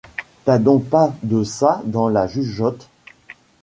T'as donc pas de ça dans la jugeote !